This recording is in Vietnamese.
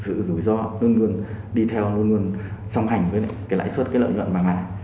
sự rủi ro luôn luôn đi theo luôn luôn song hành với cái lãi suất cái lợi nhuận hàng ngày